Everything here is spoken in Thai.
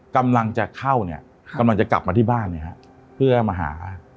กำลังจะเข้าเนี่ยกำลังจะกลับมาที่บ้านเนี่ยฮะเพื่อมาหา